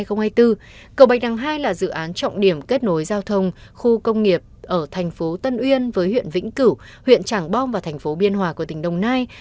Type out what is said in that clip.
cầu bạch đằng hai là dự án trọng điểm kết nối giao thông khu công nghiệp ở thành phố tân uyên với huyện vĩnh cửu huyện trảng bom và thành phố biên hòa của tỉnh đồng nai